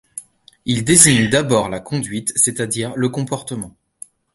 Il désigne d'abord la conduite, c'est-à-dire le comportement.